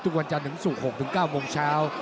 ทุกวันจันทร์ถึง๖๙โมงเช้า